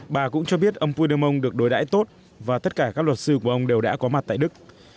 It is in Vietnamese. bà cũng cho biết ông phúy đơ mông được đối đải tốt và tất cả các luật sư của ông đều đã có mặt tại đức